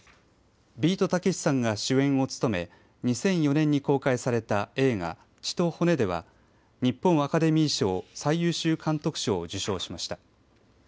ビートたけしさんが主演を務め２００４年に公開された映画「血と骨」では日本アカデミー賞最優秀監督賞を受賞しました。